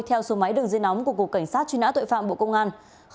theo số máy đường dây nóng của cục cảnh sát truy nã tội phạm bộ công an